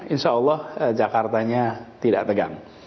insya allah jakartanya tidak tegang